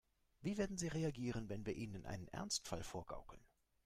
Wie werden sie reagieren, wenn wir ihnen einen Ernstfall vorgaukeln?